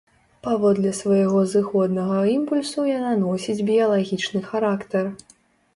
Паводле свайго зыходнага імпульсу яна носіць біялагічны характар.